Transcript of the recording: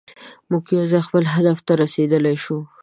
موږ یوځای خپل هدف ته رسیدلی شو.